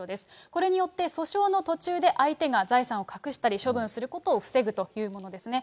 これによって、訴訟の途中で相手が財産を隠したり、処分することを防ぐというものですね。